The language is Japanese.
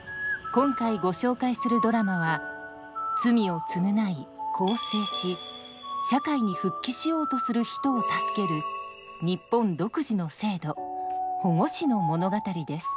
今回ご紹介するドラマは罪を償い更生し社会に復帰しようとする人を助ける日本独自の制度保護司の物語です。